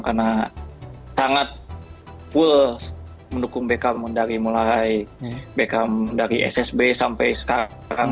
karena sangat full mendukung beckham dari mulai beckham dari ssb sampai sekarang